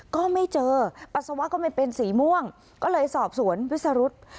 ก็ไม่เจอปัสสาวะก็ไม่เป็นสีม่วงก็เลยสอบสวนวิสรุธ